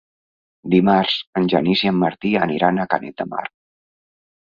Dimarts en Genís i en Martí aniran a Canet de Mar.